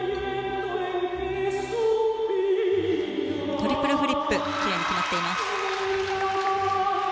トリプルフリップ奇麗に決まっています。